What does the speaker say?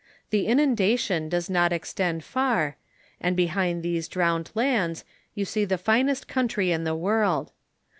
The inunda tion does not extend far, and behind these drowned lands you see the finest country in the world.